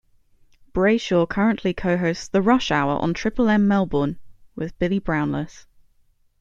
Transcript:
Brayshaw currently co-hosts "The Rush Hour" on Triple M Melbourne with Billy Brownless.